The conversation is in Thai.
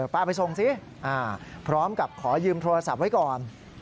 ไปส่งสิพร้อมกับขอยืมโทรศัพท์ไว้ก่อน